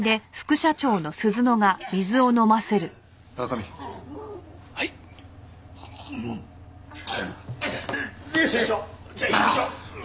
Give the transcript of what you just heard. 社長じゃあ行きましょう。